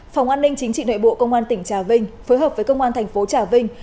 phòng an ninh chính trị nội bộ công an tỉnh trà vinh phối hợp với công an thành phố trà vinh